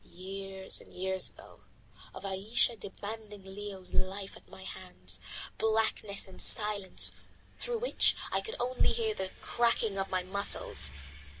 years and years ago; of Ayesha demanding Leo's life at my hands. Blackness and silence, through which I could only hear the cracking of my muscles.